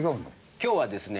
今日はですね